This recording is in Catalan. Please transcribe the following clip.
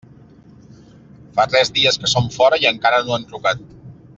Fa tres dies que són fora i encara no han trucat.